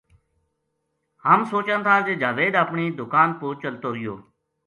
ہم سوچاں تھا جے جاوید اپنی دُکا ن پو چلتو رہیو۔